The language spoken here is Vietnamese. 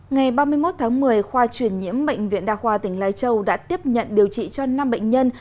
ngày ba mươi một tháng một mươi khoa truyền nhiễm bệnh viện đa khoa tỉnh lai châu đã tiếp nhận điều trị cho năm bệnh nhân